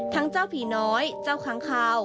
ทั้งเจ้าผีน้อยเจ้าคังคาว